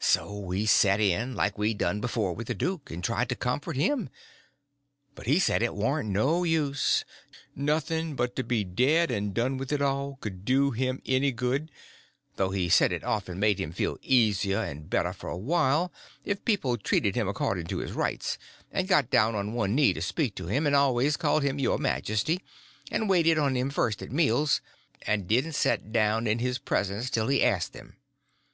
So we set in, like we done before with the duke, and tried to comfort him. But he said it warn't no use, nothing but to be dead and done with it all could do him any good; though he said it often made him feel easier and better for a while if people treated him according to his rights, and got down on one knee to speak to him, and always called him "Your Majesty," and waited on him first at meals, and didn't set down in his presence till he asked them.